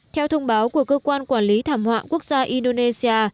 theo thông báo của cơ quan quản lý thảm họa quốc gia indonesia